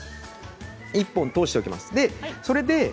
１本通しておきます。